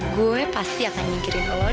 gue pasti akan nyingkirin lo dari rumah ini